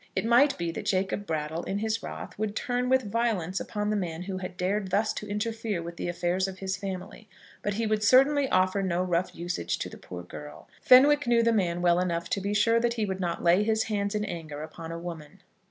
It might be that Jacob Brattle, in his wrath, would turn with violence upon the man who had dared thus to interfere in the affairs of his family; but he would certainly offer no rough usage to the poor girl. Fenwick knew the man well enough to be sure that he would not lay his hands in anger upon a woman.